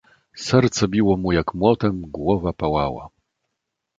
"Serce biło mu jak młotem, głowa pałała."